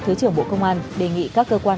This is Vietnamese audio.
thứ trưởng bộ công an đề nghị các cơ quan